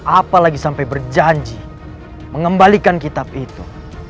apalagi sampai berjanji mengembalikan kitab itu